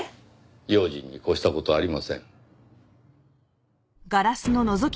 用心に越した事ありません。